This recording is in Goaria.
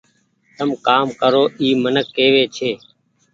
تم ڪآم ڪرو اي منڪ ڪيوي ڇي۔